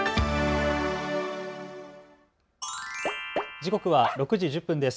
時刻は６時１０分です。